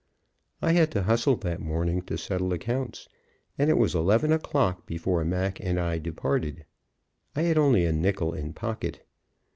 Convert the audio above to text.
I had to hustle that morning to settle accounts, and it was eleven o'clock before Mac and I departed. I had only a nickel in pocket.